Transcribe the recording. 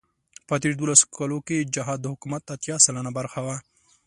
په تېرو دولسو کالو کې جهاد د حکومت اتيا سلنه برخه وه.